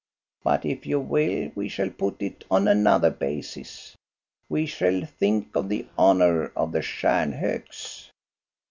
But if you will, we shall put it on another basis. We shall think of the honor of the Stjarnhoks."